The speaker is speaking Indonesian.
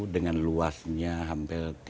dengan luasnya hampir